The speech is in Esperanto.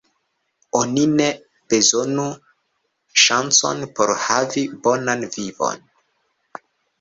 Oni ne bezonu ŝancon por havi bonan vivon.